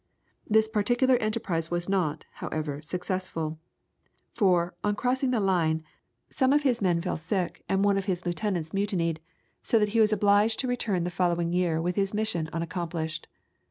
This particular enterprise was not, however, successful; for, on crossing the line, some of his men fell sick and one of his lieutenants mutinied, so that he was obliged to return the following year with his mission unaccomplished.